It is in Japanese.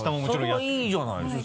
それはいいじゃないですか。